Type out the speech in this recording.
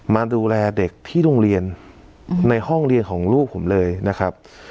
มาดูแลเด็กที่โรงเรียนในห้องเรียนของลูกผมเลยนะครับ